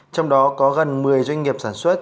trong đó có gần một mươi doanh nghiệp sản xuất